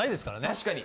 確かに。